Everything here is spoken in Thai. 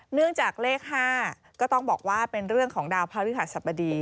เนื่องจากเลข๕ก็ต้องบอกว่าเป็นเรื่องของดาวพระฤหัสบดี